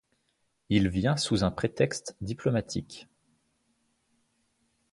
Il vient sous un prétexte diplomatique.